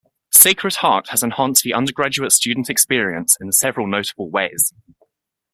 Sacred Heart has enhanced the undergraduate student experience in several notable ways.